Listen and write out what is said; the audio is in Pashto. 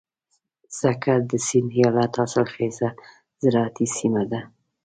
سکر د سيند ايالت حاصلخېزه زراعتي سيمه ده.